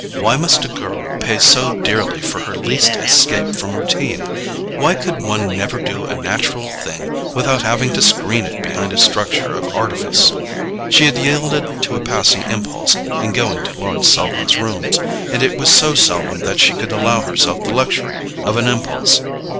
Why must a girl pay so dearly for her least escape from routine? Why could one never do a natural thing without having to screen it behind a structure of artifice? She had yielded to a passing impulse in going to Lawrence Selden's rooms, and it was so seldom that she could allow herself the luxury of an impulse!